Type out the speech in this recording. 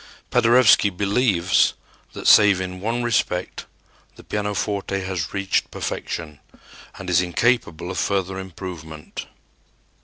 Paderewski believes that, save in one respect, the pianoforte has reached perfection and is incapable of further improvement.